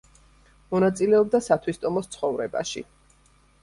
მონაწილეობდა სათვისტომოს ცხოვრებაში.